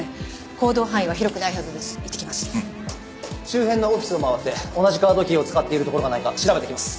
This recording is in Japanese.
周辺のオフィスを回って同じカードキーを使っているところがないか調べてきます。